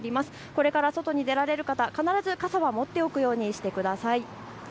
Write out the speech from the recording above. これから外に出られる方、必ず傘は持っておくようにしてください。